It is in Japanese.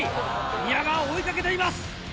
宮川を追いかけています！